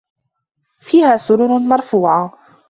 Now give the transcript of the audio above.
فيها سُرُرٌ مَرفوعَةٌ